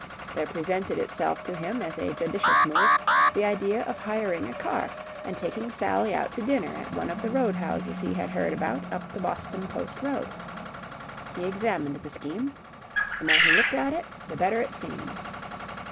There presented itself to him as a judicious move the idea of hiring a car and taking Sally out to dinner at one of the road houses he had heard about up the Boston Post Road. He examined the scheme. The more he looked at it, the better it seemed.